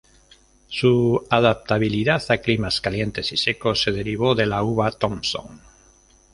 Su adaptabilidad a climas calientes y secos se derivó de la uva Thompson.